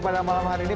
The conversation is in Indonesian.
pada malam hari ini